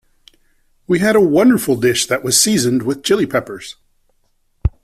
We had a wonderful dish that was seasoned with Chili Peppers.